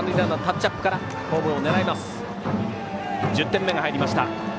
１０点目が入りました。